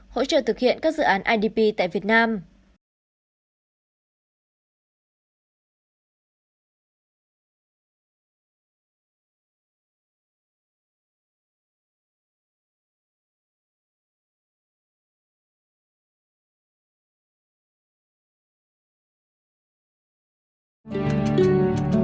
hỗ trợ thực hiện các dự án idp tại việt nam